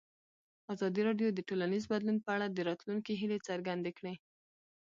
ازادي راډیو د ټولنیز بدلون په اړه د راتلونکي هیلې څرګندې کړې.